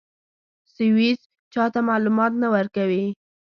سویس چا ته معلومات نه ورکوي.